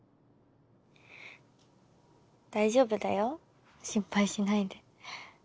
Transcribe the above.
大丈夫だよ心配しないで。